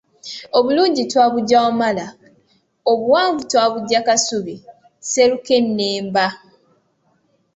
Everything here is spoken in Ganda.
Obulungi twabuggya Wamala, Obuwanvu twabuggya Kasubi, Sserukennemba!